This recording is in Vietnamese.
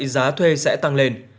giá thuê sẽ tăng lên